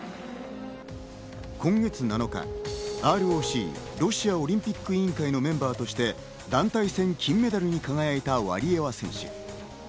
今月７日、ＲＯＣ＝ロシアオリンピック委員会のメンバーとして、団体戦、金メダルに輝いたワリエワ選手。